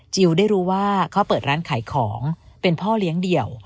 ได้รู้ว่าเขาเปิดร้านขายของเป็นพ่อเลี้ยงเดี่ยว